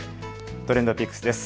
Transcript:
ＴｒｅｎｄＰｉｃｋｓです。